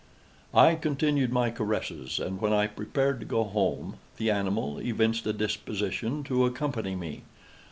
I continued my caresses, and, when I prepared to go home, the animal evinced a disposition to accompany me.